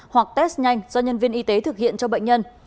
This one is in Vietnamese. hoặc test nhanh do nhân viên y tế thực hiện cho bệnh nhân